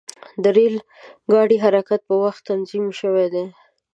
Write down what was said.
د ریل ګاډي حرکت په وخت تنظیم شوی دی.